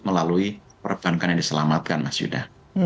melalui perbankan yang diselamatkan mas yuda